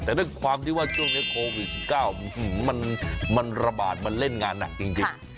แต่ด้วยความที่ว่าช่วงนี้โควิด๑๙มันระบาดมันเล่นงานหนักจริง